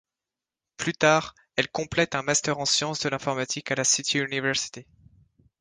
Plus tard, elle compléte un Master en Sciences de l'Informatique à la City University.